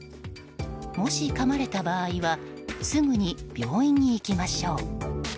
もし、かまれた場合はすぐに病院に行きましょう。